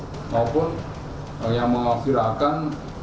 kepala biro penerangan masyarakat